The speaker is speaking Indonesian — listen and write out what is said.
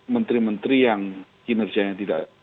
menteri menteri yang kinerjanya tidak